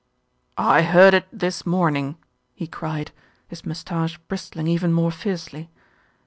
"I heard it this morning," he cried, his moustache bristling even more fiercely.